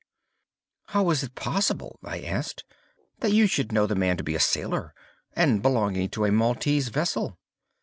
_ "How was it possible," I asked, "that you should know the man to be a sailor, and belonging to a Maltese vessel?"